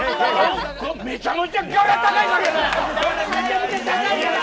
めちゃくちゃギャラ高いから。